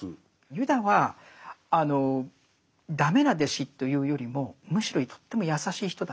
ユダは駄目な弟子というよりもむしろとっても優しい人だったんです